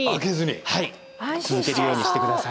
はい続けるようにして下さい。